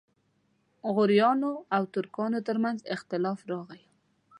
غوریانو او ترکانو ترمنځ اختلاف راغی.